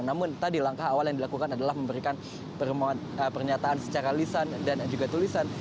namun tadi langkah awal yang dilakukan adalah memberikan pernyataan secara lisan dan juga tulisan